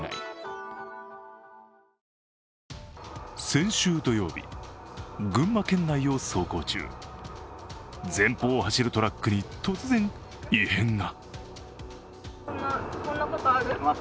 先週土曜日、群馬県内を走行中、前方を走るトラックに突然異変が。